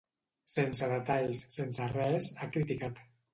Sense detalls, sense res, ha criticat.